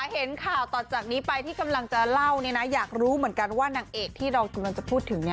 เห็นข่าวต่อจากนี้ไปที่กำลังจะเล่าอยากรู้เหมือนกันว่านางเอกที่เรากำลังจะพูดถึง